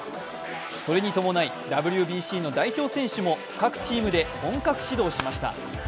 それに伴いＷＢＣの代表選手も各チームで本格始動しました。